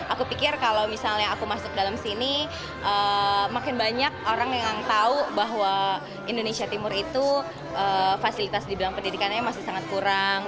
aku pikir kalau misalnya aku masuk dalam sini makin banyak orang yang tahu bahwa indonesia timur itu fasilitas di bidang pendidikannya masih sangat kurang